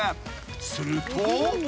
すると］